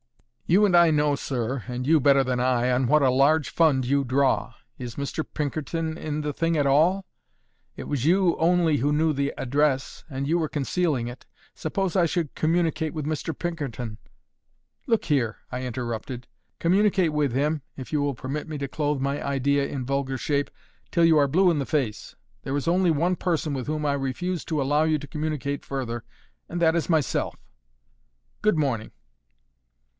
You and I know, sir and you better than I on what a large fund you draw. Is Mr. Pinkerton in the thing at all? It was you only who knew the address, and you were concealing it. Suppose I should communicate with Mr. Pinkerton " "Look here!" I interrupted, "communicate with him (if you will permit me to clothe my idea in a vulgar shape) till you are blue in the face. There is only one person with whom I refuse to allow you to communicate further, and that is myself. Good morning."